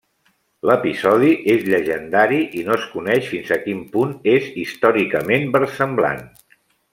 L'episodi és llegendari i no es coneix fins a quin punt és històricament versemblant.